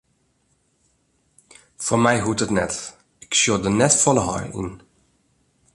Foar my hoecht it net, ik sjoch der net folle heil yn.